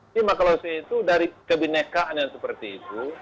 jadi maka kalau itu dari kebinekaan yang seperti itu